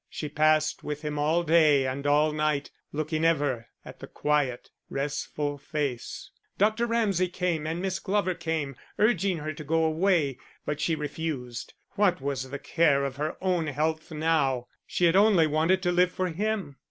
She passed with him all day and all night, looking ever at the quiet, restful face. Dr. Ramsay came and Miss Glover came, urging her to go away, but she refused. What was the care of her own health now, she had only wanted to live for him?